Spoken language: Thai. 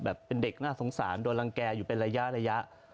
เป็นเด็กน่าสงสารโดนรังแก่อยู่เป็นระยะ